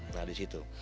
nah di situ